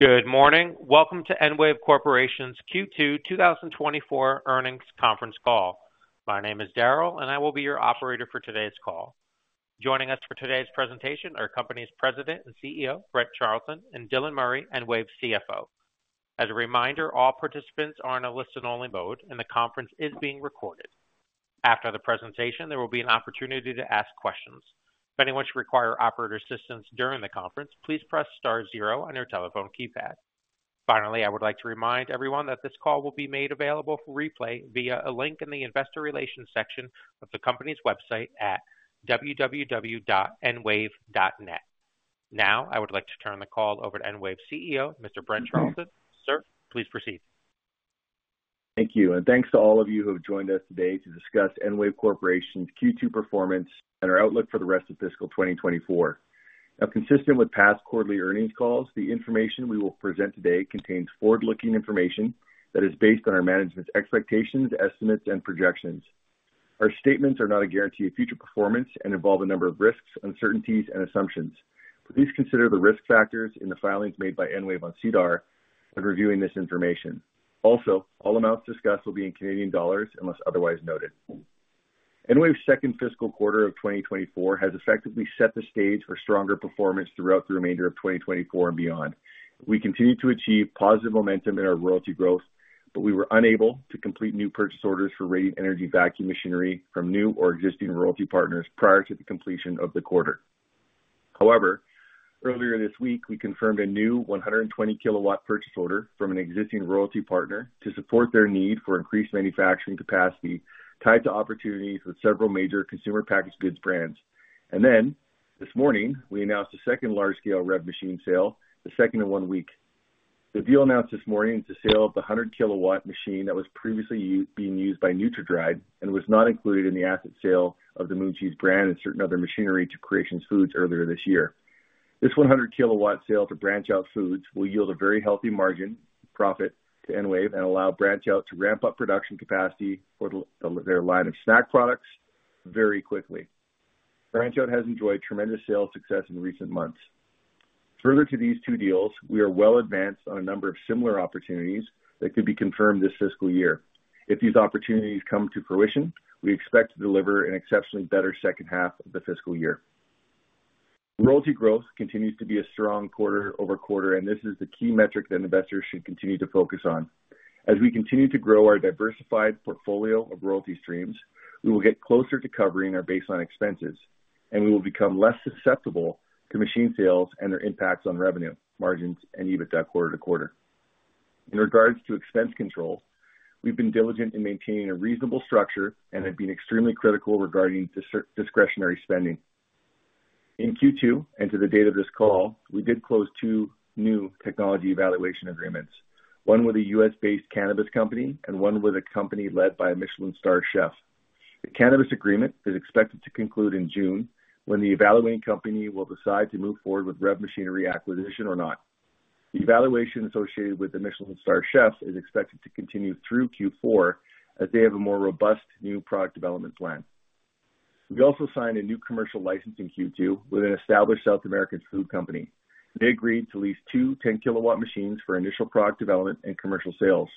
Good morning. Welcome to EnWave Corporation's Q2 2024 earnings conference call. My name is Daryl, and I will be your operator for today's call. Joining us for today's presentation are the company's President and CEO, Brent Charleton, and Dylan Murray, EnWave's CFO. As a reminder, all participants are in a listen-only mode, and the conference is being recorded. After the presentation, there will be an opportunity to ask questions. If anyone should require operator assistance during the conference, please press star zero on your telephone keypad. Finally, I would like to remind everyone that this call will be made available for replay via a link in the Investor Relations section of the company's website at www.enwave.net. Now, I would like to turn the call over to EnWave's CEO, Mr. Brent Charleton. Sir, please proceed. Thank you, and thanks to all of you who have joined us today to discuss EnWave Corporation's Q2 performance and our outlook for the rest of fiscal 2024. Now, consistent with past quarterly earnings calls, the information we will present today contains forward-looking information that is based on our management's expectations, estimates, and projections. Our statements are not a guarantee of future performance and involve a number of risks, uncertainties, and assumptions. Please consider the risk factors in the filings made by EnWave on SEDAR when reviewing this information. Also, all amounts discussed will be in Canadian dollars unless otherwise noted. EnWave's second fiscal quarter of 2024 has effectively set the stage for stronger performance throughout the remainder of 2024 and beyond. We continued to achieve positive momentum in our royalty growth, but we were unable to complete new purchase orders for radiant energy vacuum machinery from new or existing royalty partners prior to the completion of the quarter. However, earlier this week, we confirmed a new 120-kilowatt purchase order from an existing royalty partner to support their need for increased manufacturing capacity, tied to opportunities with several major consumer packaged goods brands. And then, this morning, we announced a second large-scale REV machine sale, the second in one week. The deal announced this morning is a sale of the 100-kilowatt machine that was previously being used by NutraDried and was not included in the asset sale of the Moon Cheese brand and certain other machinery to Creation Foods earlier this year. This 100-kilowatt sale to BranchOut Food will yield a very healthy margin profit to EnWave and allow BranchOut Food to ramp up production capacity for their line of snack products very quickly. BranchOut Food has enjoyed tremendous sales success in recent months. Further to these two deals, we are well advanced on a number of similar opportunities that could be confirmed this fiscal year. If these opportunities come to fruition, we expect to deliver an exceptionally better second half of the fiscal year. Royalty growth continues to be a strong quarter-over-quarter, and this is the key metric that investors should continue to focus on. As we continue to grow our diversified portfolio of royalty streams, we will get closer to covering our baseline expenses, and we will become less susceptible to machine sales and their impacts on revenue, margins, and EBITDA quarter to quarter. In regards to expense control, we've been diligent in maintaining a reasonable structure and have been extremely critical regarding discretionary spending. In Q2, and to the date of this call, we did close 2 new technology evaluation agreements, one with a US-based cannabis company and one with a company led by a Michelin Star chef. The cannabis agreement is expected to conclude in June, when the evaluating company will decide to move forward with REV machinery acquisition or not. The evaluation associated with the Michelin Star chef is expected to continue through Q4, as they have a more robust new product development plan. We also signed a new commercial license in Q2 with an established South American food company. They agreed to lease two 10-kilowatt machines for initial product development and commercial sales.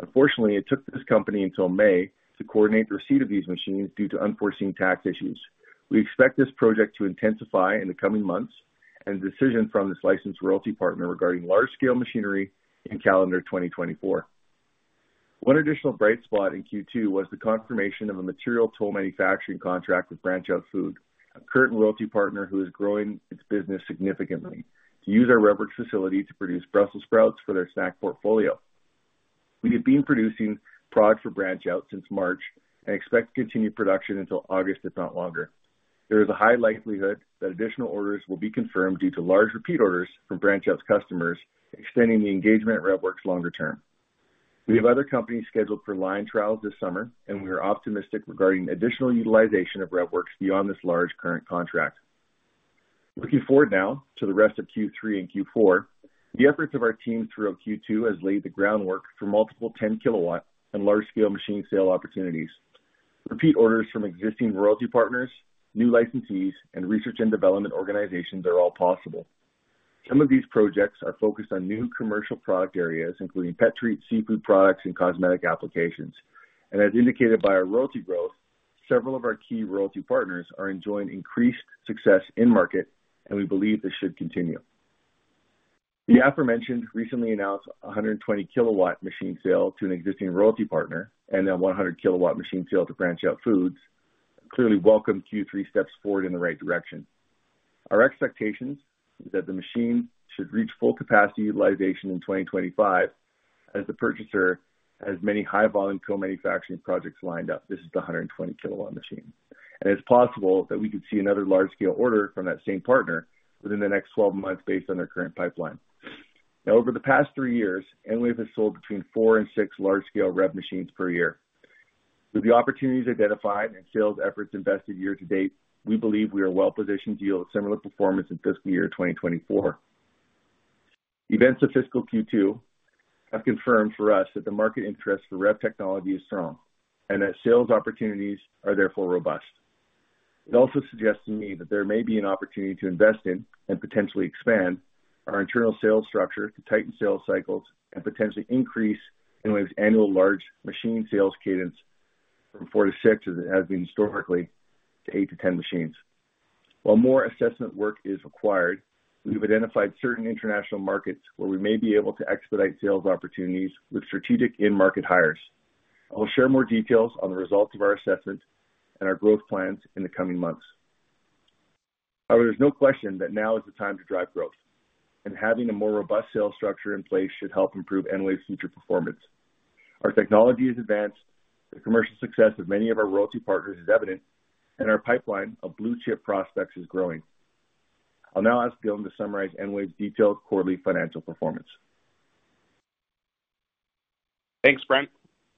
Unfortunately, it took this company until May to coordinate the receipt of these machines due to unforeseen tax issues. We expect this project to intensify in the coming months, and a decision from this licensed royalty partner regarding large-scale machinery in calendar 2024. One additional bright spot in Q2 was the confirmation of a material toll manufacturing contract with BranchOut Food, a current royalty partner who is growing its business significantly, to use our REVworx facility to produce Brussels sprouts for their snack portfolio. We have been producing products for BranchOut Food since March and expect to continue production until August, if not longer. There is a high likelihood that additional orders will be confirmed due to large repeat orders from BranchOut's customers, extending the engagement at REVworx longer term. We have other companies scheduled for line trials this summer, and we are optimistic regarding additional utilization of REVworx beyond this large current contract. Looking forward now to the rest of Q3 and Q4, the efforts of our team throughout Q2 has laid the groundwork for multiple 10-kilowatt and large-scale machine sale opportunities. Repeat orders from existing royalty partners, new licensees, and research and development organizations are all possible. Some of these projects are focused on new commercial product areas, including pet treats, seafood products, and cosmetic applications. And as indicated by our royalty growth, several of our key royalty partners are enjoying increased success in market, and we believe this should continue. The aforementioned recently announced a 120-kilowatt machine sale to an existing royalty partner, and then 100-kilowatt machine sale to BranchOut Food, clearly welcome Q3 steps forward in the right direction. Our expectations is that the machine should reach full capacity utilization in 2025, as the purchaser has many high-volume toll manufacturing projects lined up. This is the 120-kilowatt machine. It's possible that we could see another large-scale order from that same partner within the next 12 months based on their current pipeline. Now, over the past 3 years, EnWave has sold between 4 and 6 large-scale REV machines per year. With the opportunities identified and sales efforts invested year to date, we believe we are well positioned to yield similar performance in fiscal year 2024. Events of fiscal Q2 have confirmed for us that the market interest for REV technology is strong and that sales opportunities are therefore robust. It also suggests to me that there may be an opportunity to invest in and potentially expand our internal sales structure to tighten sales cycles and potentially increase EnWave's annual large machine sales cadence from 4-6, as it has been historically, to 8-10 machines. While more assessment work is required, we've identified certain international markets where we may be able to expedite sales opportunities with strategic in-market hires. I will share more details on the results of our assessment and our growth plans in the coming months. However, there's no question that now is the time to drive growth, and having a more robust sales structure in place should help improve EnWave's future performance. Our technology is advanced, the commercial success of many of our royalty partners is evident, and our pipeline of blue-chip prospects is growing. I'll now ask Dylan to summarize EnWave's detailed quarterly financial performance. Thanks, Brent.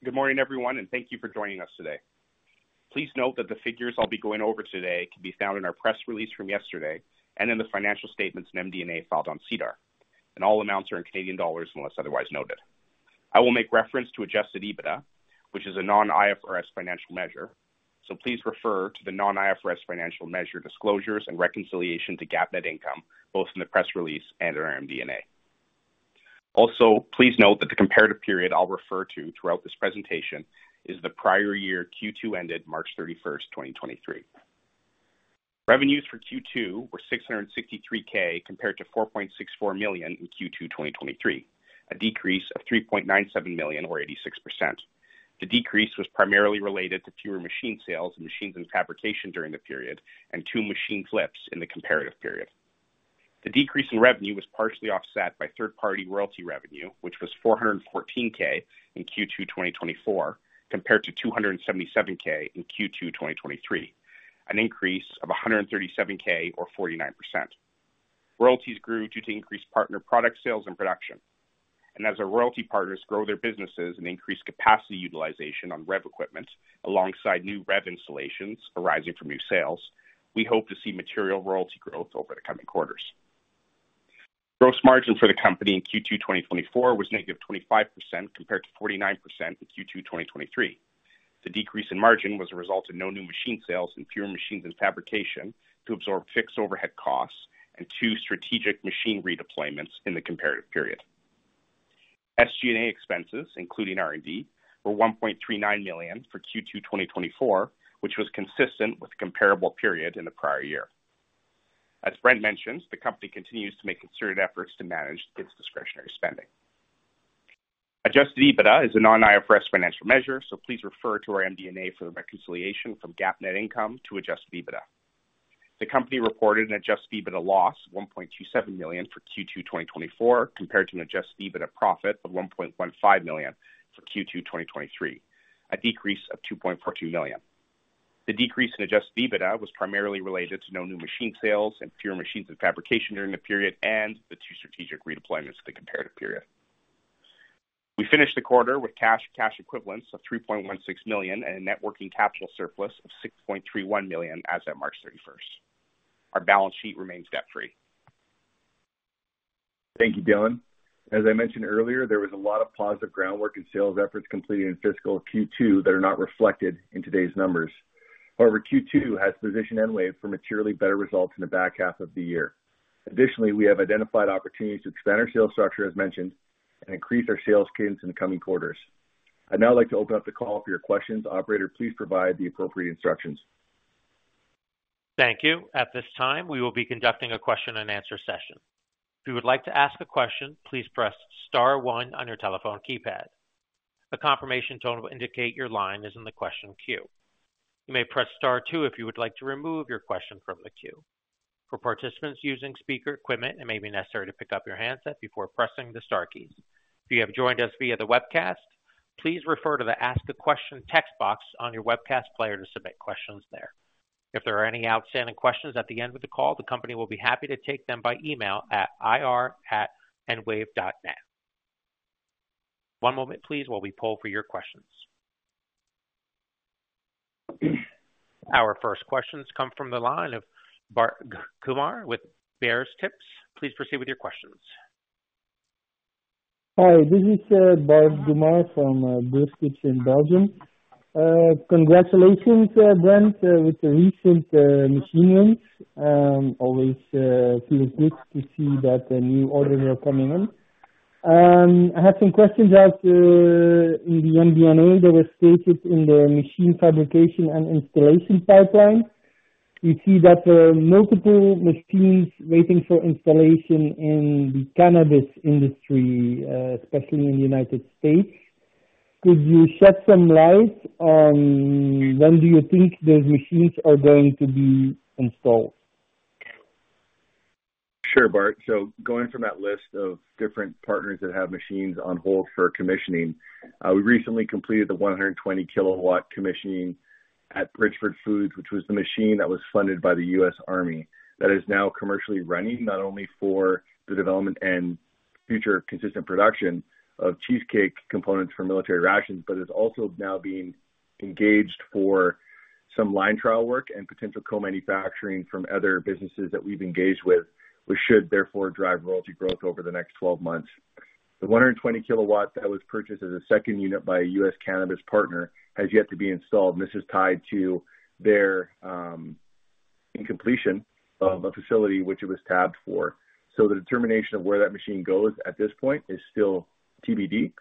Good morning, everyone, and thank you for joining us today. Please note that the figures I'll be going over today can be found in our press release from yesterday and in the financial statements in MD&A filed on SEDAR, and all amounts are in Canadian dollars unless otherwise noted. I will make reference to Adjusted EBITDA, which is a non-IFRS financial measure, so please refer to the non-IFRS financial measure disclosures and reconciliation to GAAP net income, both in the press release and our MD&A. Also, please note that the comparative period I'll refer to throughout this presentation is the prior-year Q2 ended March 31, 2023. Revenues for Q2 were 663,000, compared to 4.64 million in Q2 2023, a decrease of 3.97 million or 86%. The decrease was primarily related to fewer machine sales and machines in fabrication during the period, and two machine flips in the comparative period. The decrease in revenue was partially offset by third-party royalty revenue, which was 414K in Q2 2024, compared to 277K in Q2 2023, an increase of 137K or 49%. Royalties grew due to increased partner product sales and production. And as our royalty partners grow their businesses and increase capacity utilization on REV equipment alongside new REV installations arising from new sales, we hope to see material royalty growth over the coming quarters. Gross margin for the company in Q2 2024 was -25%, compared to 49% in Q2 2023. The decrease in margin was a result of no new machine sales and fewer machines in fabrication to absorb fixed overhead costs and two strategic machine redeployments in the comparative period. SG&A expenses, including R&D, were 1.39 million for Q2 2024, which was consistent with the comparable period in the prior year. As Brent mentioned, the company continues to make concerted efforts to manage its discretionary spending. Adjusted EBITDA is a non-IFRS financial measure, so please refer to our MD&A for the reconciliation from GAAP net income to adjusted EBITDA. The company reported an adjusted EBITDA loss of 1.27 million for Q2 2024, compared to an adjusted EBITDA profit of 1.15 million for Q2 2023, a decrease of 2.42 million. The decrease in Adjusted EBITDA was primarily related to no new machine sales and fewer machines in fabrication during the period and the two strategic redeployments in the comparative period. We finished the quarter with cash and cash equivalents of 3.16 million and a net working capital surplus of 6.31 million as at March 31. Our balance sheet remains debt-free. Thank you, Dylan. As I mentioned earlier, there was a lot of positive groundwork and sales efforts completed in fiscal Q2 that are not reflected in today's numbers. However, Q2 has positioned EnWave for materially better results in the back half of the year. Additionally, we have identified opportunities to expand our sales structure, as mentioned, and increase our sales cadence in the coming quarters. I'd now like to open up the call for your questions. Operator, please provide the appropriate instructions. Thank you. At this time, we will be conducting a question-and-answer session. If you would like to ask a question, please press star one on your telephone keypad. A confirmation tone will indicate your line is in the question queue. You may press Star two if you would like to remove your question from the queue. For participants using speaker equipment, it may be necessary to pick up your handset before pressing the star keys. If you have joined us via the webcast, please refer to the Ask a Question text box on your webcast player to submit questions there. If there are any outstanding questions at the end of the call, the company will be happy to take them by email at ir@enwave.net. One moment please, while we poll for your questions. Our first questions come from the line of Bart Goemaere with BeursTips. Please proceed with your questions. Hi, this is Bart Kumar from Bear Tips in Belgium. Congratulations, Brent, with the recent machine wins. Always feels good to see that the new orders are coming in. I have some questions about in the MD&A that was stated in the machine fabrication and installation pipeline. We see that there are multiple machines waiting for installation in the cannabis industry, especially in the United States. Could you shed some light on when do you think those machines are going to be installed? Sure, Bart. So going from that list of different partners that have machines on hold for commissioning, we recently completed the 120-kilowatt commissioning at Bridgford Foods, which was the machine that was funded by the U.S. Army. That is now commercially running, not only for the development and future consistent production of cheesecake components for military rations, but is also now being engaged for some line trial work and potential co-manufacturing from other businesses that we've engaged with, which should therefore drive royalty growth over the next 12 months. The 120 kilowatts that was purchased as a second unit by a U.S. cannabis partner has yet to be installed, and this is tied to their incompletion of a facility which it was tabbed for. So the determination of where that machine goes at this point is still TBD,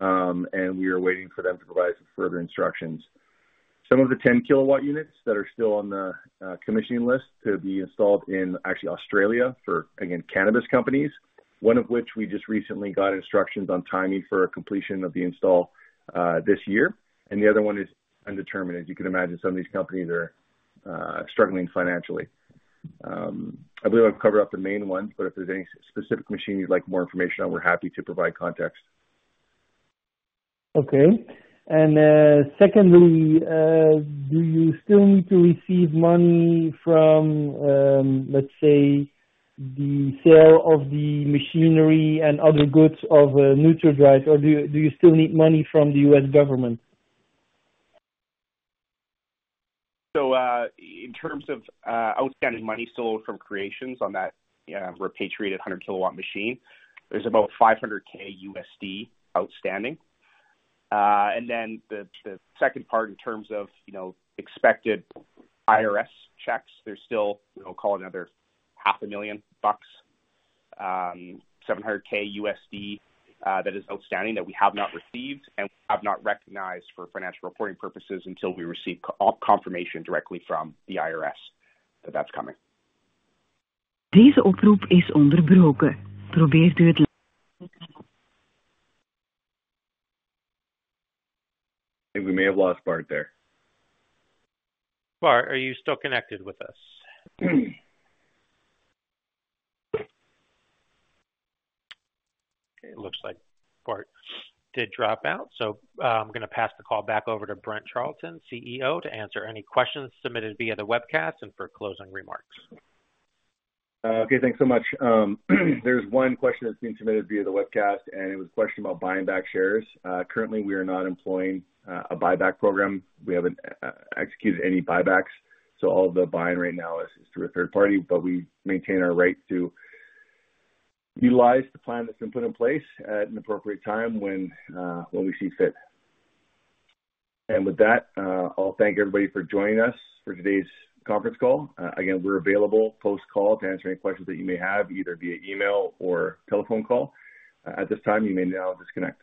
and we are waiting for them to provide further instructions. Some of the 10-kilowatt units that are still on the commissioning list to be installed, actually, in Australia for, again, cannabis companies, one of which we just recently got instructions on timing for a completion of the install this year, and the other one is undetermined. As you can imagine, some of these companies are struggling financially. I believe I've covered up the main ones, but if there's any specific machine you'd like more information on, we're happy to provide context. Okay. And, secondly, do you still need to receive money from, let's say, the sale of the machinery and other goods of NutraDried, or do you, do you still need money from the U.S. government? So, in terms of outstanding money sold from Creations on that repatriated 100-kilowatt machine, there's about $500,000 outstanding. And then the second part in terms of, you know, expected IRS checks, there's still, we'll call it another $500,000-$700,000 that is outstanding, that we have not received and have not recognized for financial reporting purposes until we receive confirmation directly from the IRS. But that's coming. I think we may have lost Bart there. Bart, are you still connected with us? Okay, it looks like Bart did drop out, so, I'm gonna pass the call back over to Brent Charleton, CEO, to answer any questions submitted via the webcast and for closing remarks. Okay, thanks so much. There's one question that's being submitted via the webcast, and it was a question about buying back shares. Currently, we are not employing a buyback program. We haven't executed any buybacks, so all the buying right now is through a third party, but we maintain our right to utilize the plan that's been put in place at an appropriate time when we see fit. And with that, I'll thank everybody for joining us for today's conference call. Again, we're available post-call to answer any questions that you may have, either via email or telephone call. At this time, you may now disconnect.